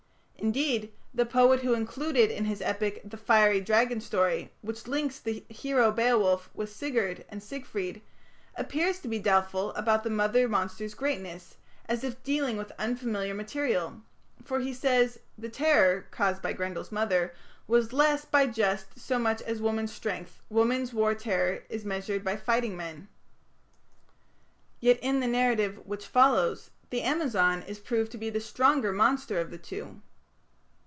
Indeed, the poet who included in his epic the fiery dragon story, which links the hero Beowulf with Sigurd and Siegfried, appears to be doubtful about the mother monster's greatness, as if dealing with unfamiliar material, for he says: "The terror (caused by Grendel's mother) was less by just so much as woman's strength, woman's war terror, is (measured) by fighting men". Yet, in the narrative which follows the Amazon is proved to be the stronger monster of the two.